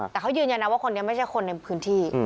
แต่เขายืนยันนะว่าคนนี้ไม่ใช่คนในพื้นที่